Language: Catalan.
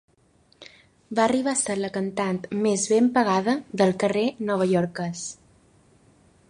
Va arribar a ser la cantant més ben pagada del carrer novaiorquès.